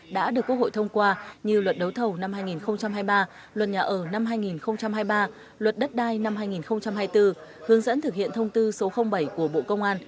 đã được quốc hội thông qua như luật đấu thầu năm hai nghìn hai mươi ba luật nhà ở năm hai nghìn hai mươi ba luật đất đai năm hai nghìn hai mươi bốn hướng dẫn thực hiện thông tư số bảy của bộ công an